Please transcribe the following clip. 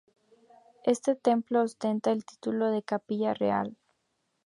Este templo ostenta el título de capilla real.